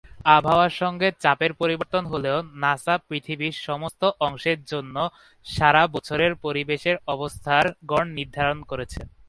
আবহাওয়ার সঙ্গে চাপের পরিবর্তন হলেও, নাসা পৃথিবীর সমস্ত অংশের জন্য সারা বছরের পরিবেশের অবস্থার গড় নির্ধারণ করেছে।